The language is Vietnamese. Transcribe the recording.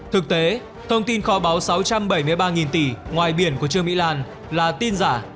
thực tế thông tin kho báo sáu trăm bảy mươi ba tỷ ngoài biển của trương mỹ lan là tin giả